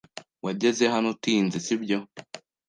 Wageze hano utinze, sibyo?